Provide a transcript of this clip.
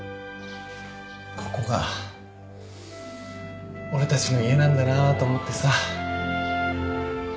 ここが俺たちの家なんだなと思ってさ